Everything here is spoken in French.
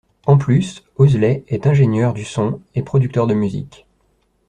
En plus Owsley est ingénieur du son et producteur de musique.